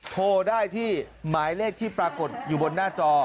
โทรได้ที่หมายเลขที่ปรากฏอยู่บนหน้าจอ